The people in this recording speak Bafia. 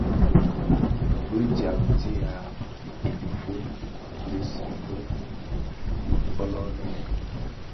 Bi djaň ya i dhufuu dhi simbèn fōlō nnë.